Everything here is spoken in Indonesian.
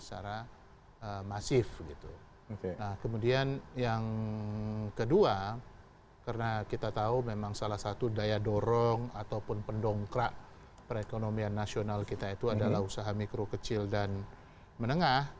nah kemudian yang kedua karena kita tahu memang salah satu daya dorong ataupun pendongkrak perekonomian nasional kita itu adalah usaha mikro kecil dan menengah